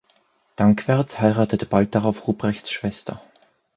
Danckwerts heiratete bald darauf Ruprechts Schwester.